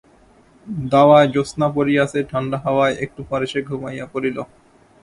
দাওয়ায় জ্যোৎস্না পড়িয়াছে, ঠাণ্ডা হাওয়ায় একটু পরে সে ঘুমাইয়া পড়িল।